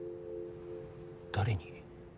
誰に？